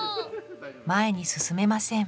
前に進めません